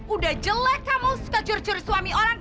udah jelek kamu suka curi curi suami orang